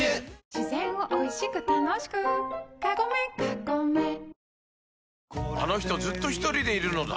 自然をおいしく楽しくカゴメカゴメあの人ずっとひとりでいるのだ